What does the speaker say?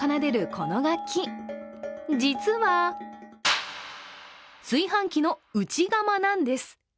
この楽器、実は炊飯器の内釜なんです。